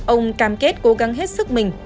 ông cam kết cố gắng hết sức mình